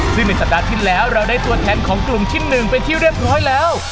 ซึ่งในสัปดาห์ที่แล้วเราได้ตัวแทนของกลุ่มชิ้นหนึ่งเป็นที่เรียบร้อยแล้ว